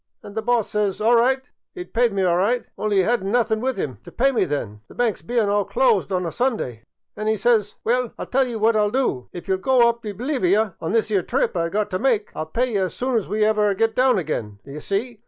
* An' the boss says. All right, 'e 'd pye me all right, only 'e *ad n't nothin' with 'im t' pye me then, the banks bein* all closed on a Sunday; an* 'e says, * Well, I '11 tell ye what I '11 do. If you '11 go up t' Bolivy on this 'ere trip I 've got t' make, I '11 pye ye soon as ever we get down again,' d' ye see.